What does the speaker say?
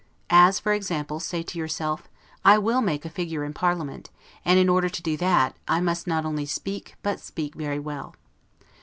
As, for example, say to yourself, I will make a figure in parliament, and in order to do that, I must not only speak, but speak very well.